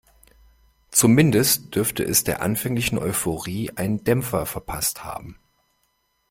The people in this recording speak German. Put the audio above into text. Zumindest dürfte es der anfänglichen Euphorie einen Dämpfer verpasst haben.